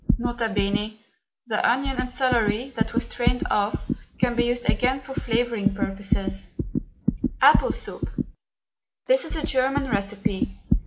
N.B. The onion and celery that was strained off can be used again for flavouring purposes. APPLE SOUP. This is a German recipe.